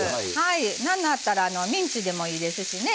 なんだったらミンチでもいいですしね。